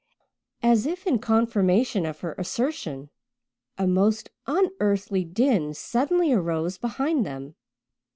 As if in confirmation of her assertion, a most unearthly din suddenly arose behind them.